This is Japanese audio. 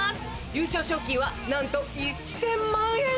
優勝賞金はなんと１０００万円！